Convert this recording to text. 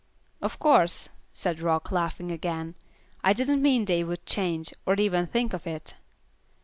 "Of course," said Rock, laughing again. "I didn't mean they would change, or even think of it."